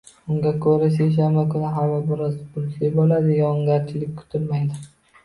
Unga ko‘ra, seshanba kuni havo biroz bulutli bo‘ladi, yog‘ingarchilik kutilmaydi